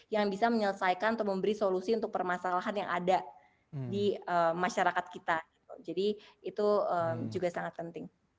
yang bisa menyelesaikan atau memberi solusi untuk permasalahan yang ada di masyarakat kita jadi itu juga sangat penting